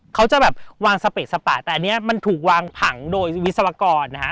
เขาจะวางสเปกสปาดแต่อันนี้มันถูกวางผังโดยวิศวกร